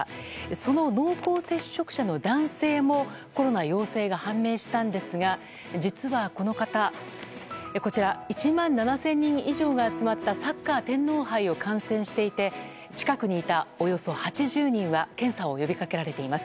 その濃厚接触者の男性もコロナ陽性が判明したんですが実は、この方１万７０００人以上が集まったサッカー天皇杯を観戦していて近くにいたおよそ８０人は検査を呼びかけられています。